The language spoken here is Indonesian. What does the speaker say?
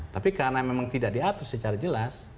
tapi karena memang tidak diatur secara jelas